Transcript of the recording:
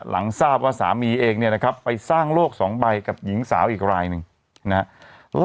หลังทราบว่าสามีเองเนี่ยนะครับไปสร้างโลกสองใบกับหญิงสาวอีกรายหนึ่งนะครับ